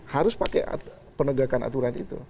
harus pakai penegakan aturan itu